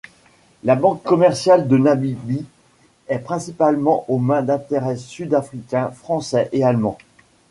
La Banque commerciale de Namibie est principalement aux mains d'intérêts sud-africains, français et allemands.